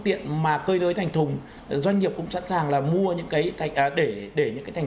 tiện mà cây đới thành thùng doanh nghiệp cũng sẵn sàng là mua những cái cách để để những cái thành